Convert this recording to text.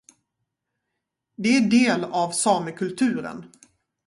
Det är del av samekulturen.